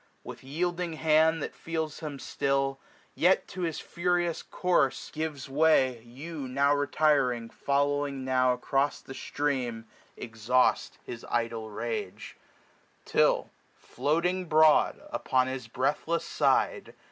With yielding hand. That feels him still, yet to his furious course IS SPRING. Gives way, you, now retiring, following now 435 Across the stream, exhaust his idle rage : Till floating broad upon his breathless side.